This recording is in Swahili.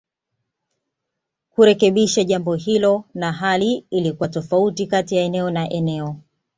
Kurekebisho jambo hilo na hali ilikuwa tofauti kati ya eneo na eneo